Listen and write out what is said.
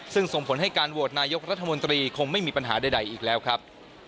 ซึ่งส่งผลให้การโหวตนายกรัฐมนตรีคงไม่มีปัญหาใดอีกแล้วครับ